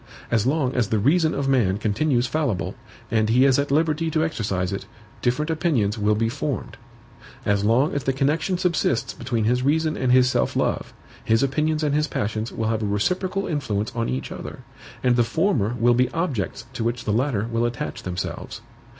As long as the reason of man continues fallible, and he is at liberty to exercise it, different opinions will be formed. As long as the connection subsists between his reason and his self love, his opinions and his passions will have a reciprocal influence on each other; and the former will be objects to which the latter will attach themselves.